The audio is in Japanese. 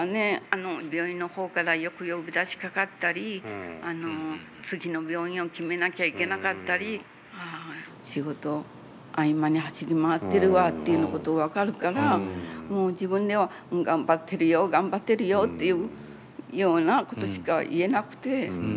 あの病院の方からよく呼び出しかかったり次の病院を決めなきゃいけなかったりああ仕事合間に走り回ってるわっていうようなこと分かるからもう自分でも頑張ってるよ頑張ってるよっていうようなことしか言えなくて。